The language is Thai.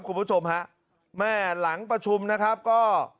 คุณผู้ชมฮะแม่หลังประชุมนะครับก็